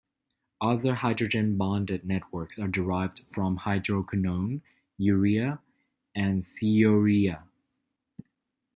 Other hydrogen-bonded networks are derived from hydroquinone, urea, and thiourea.